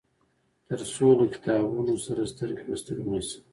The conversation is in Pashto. تر څو له کتابونه سره سترګو په سترګو نشم.